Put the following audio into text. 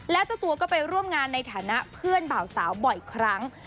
และเจ้าตัวก็ไปร่วมงานในฐานะเพื่อนบ่าวสาวบ่อยครั้ง